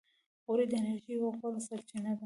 غوړې د انرژۍ یوه غوره سرچینه ده.